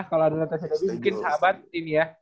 kalau ada tersetuju bikin sahabat ini ya